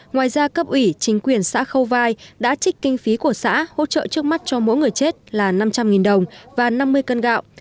ngoài ra cấp ủy chính quyền xã khâu vai đã trích kinh phí của xã hỗ trợ trước mắt cho mỗi người chết là năm trăm linh đồng và năm mươi cân gạo